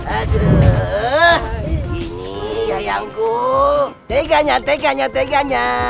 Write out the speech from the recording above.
aduh ini sayangku teganya teganya teganya